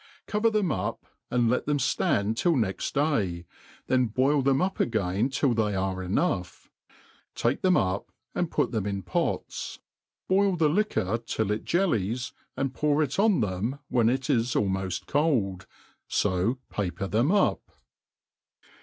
Cover them up, and let them fland till next day, then boil them up again til) they are enough* Take them up, and put them in pots ; boil, the jiquor till it jellies^ and pour it on them Vihcn it is ^Impl^ cqI^ i to paper them up.